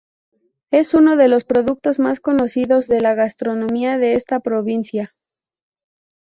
Es uno de los productos más conocidos de la gastronomía de esa provincia.